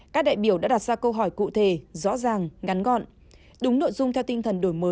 các đại biểu đã đặt ra câu hỏi cụ thể rõ ràng ngắn gọn đúng nội dung theo tinh thần đổi mới